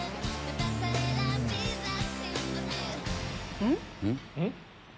うん？